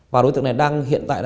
và đối tượng này đang hiện tại